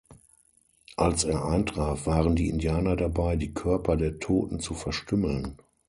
Als er eintraf, waren die Indianer dabei, die Körper der Toten zu verstümmeln.